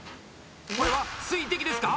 これは水滴ですか？